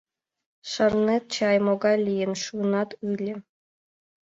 — Шарнет чай, могай лийын шуынат ыле.